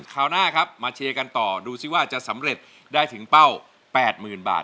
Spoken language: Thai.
คราวหน้าครับมาเชียร์กันต่อดูสิว่าจะสำเร็จได้ถึงเป้า๘๐๐๐บาท